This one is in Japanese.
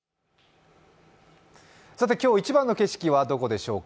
今日一番の景色はどこでしょうか？